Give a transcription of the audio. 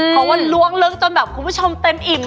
เพราะว่าล้วงลึกจนแบบคุณผู้ชมเต็มอิ่ม